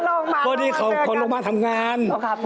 พระอาทิตย์ขอลงมาทำงาน